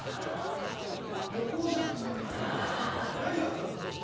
旅行じゃん、何があったんだ！